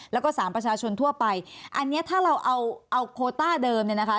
แล้วก็สามประชาชนทั่วไปอันเนี้ยถ้าเราเอาเอาโคต้าเดิมเนี่ยนะคะ